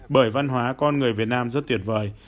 bởi văn hóa con người việt nam rất tuyệt vời